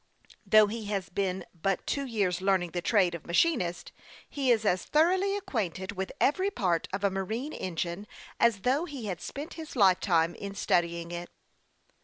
Though he has been but two years learning the trade of a machinist, he is as thoroughly acquainted with every part of a marine engine as though he had spent his lifetime in studying it.